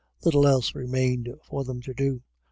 Little else remained for them to do.